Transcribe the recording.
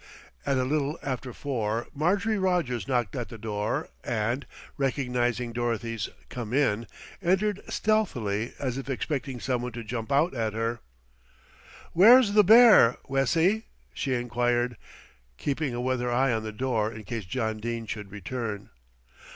At a little after four Marjorie Rogers knocked at the door and, recognising Dorothy's "Come in," entered stealthily as if expecting someone to jump out at her. "Where's the bear, Wessie?" she enquired, keeping a weather eye on the door in case John Dene should return.